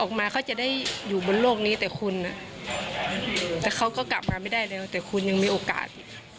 เขาจะได้อยู่บนโลกนี้แต่คุณแต่เขาก็กลับมาไม่ได้แล้วแต่คุณยังมีโอกาส